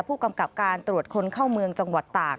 ผู้กำกับการตรวจคนเข้าเมืองจังหวัดตาก